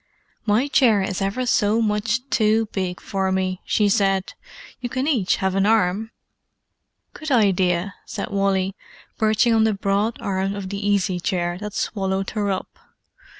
"My chair is ever so much too big for me," she said. "You can each have an arm." "Good idea!" said Wally, perching on the broad arm of the easy chair that swallowed her up.